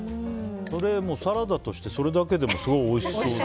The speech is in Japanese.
これはサラダとしてそれだけでもすごくおいしそう。